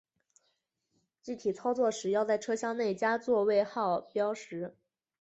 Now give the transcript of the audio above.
具体操作时要在车厢内加座位号标识。